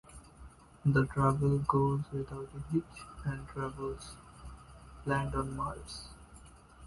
The travel goes without a hitch and travels land on Mars.